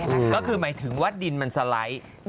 ก็คือหมายถึงว่าดินมันสไลด์